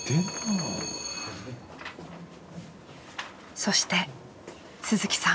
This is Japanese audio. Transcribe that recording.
そして鈴木さん。